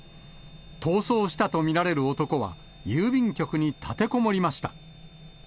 逃走したと見られる男は、郵便局に立てこもりました。